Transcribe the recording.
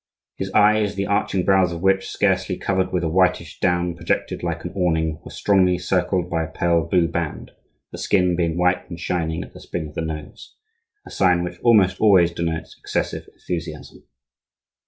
His eyes, the arching brows of which, scarcely covered with a whitish down, projected like an awning, were strongly circled by a pale blue band, the skin being white and shining at the spring of the nose,—a sign which almost always denotes excessive enthusiasm.